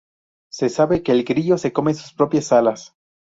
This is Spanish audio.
Se sabe que el grillo se come sus propias alas.